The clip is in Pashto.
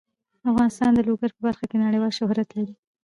افغانستان د لوگر په برخه کې نړیوال شهرت لري.